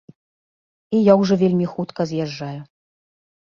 І я ўжо вельмі хутка з'язджаю.